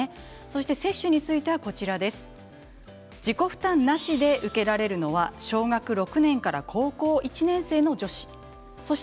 接種については自己負担なしで受けられるのは小学６年生から高校１年生の女子です。